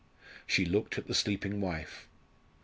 She looked at the sleeping wife.